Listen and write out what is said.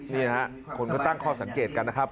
นี่นะครับคนก็ตั้งข้อสังเกตกันนะครับ